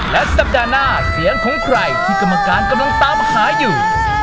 และสัปดาห์หน้าเสียงของใครที่กรรมการกำลังตามหาอยู่